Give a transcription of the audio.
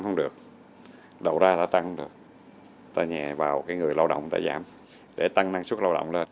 ta không được đầu ra ta tăng ta nhẹ vào người lao động ta giảm để tăng năng suất lao động lên